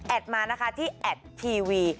มานะคะที่แอดทีวี